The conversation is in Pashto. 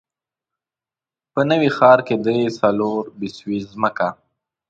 په نوي ښار کې درې، څلور بسوې ځمکه.